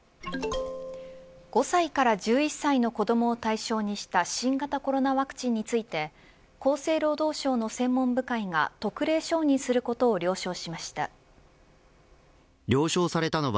５歳から１１歳の子どもを対象にした新型コロナワクチンについて厚生労働省の専門部会が特例承認することを了承しました。